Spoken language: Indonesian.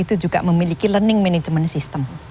itu juga memiliki learning management system